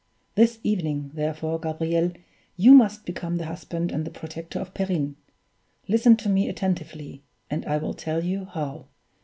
This evening, therefore, Gabriel, you must become the husband and the protector of Perrine. Listen to me attentively, and I will tell you how."